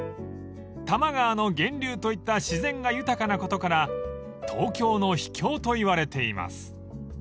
多摩川の源流といった自然が豊かなことから東京の秘境といわれています］